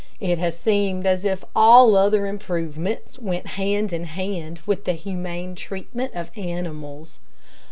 It has seemed as if all other improvements went hand in hand with the humane treatment of animals.